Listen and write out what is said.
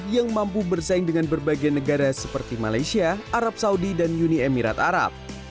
yang mampu bersaing dengan berbagai negara seperti malaysia arab saudi dan uni emirat arab